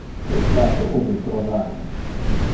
Tu sape ubi trovar me.